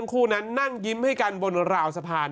คู่นั้นนั่งยิ้มให้กันบนราวสะพาน